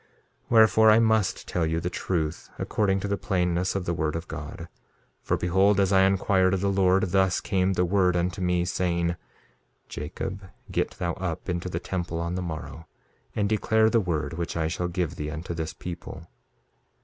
2:11 Wherefore, I must tell you the truth according to the plainness of the word of God. For behold, as I inquired of the Lord, thus came the word unto me, saying: Jacob, get thou up into the temple on the morrow, and declare the word which I shall give thee unto this people.